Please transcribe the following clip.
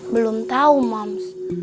belum tahu moms